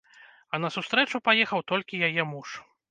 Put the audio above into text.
А на сустрэчу паехаў толькі яе муж.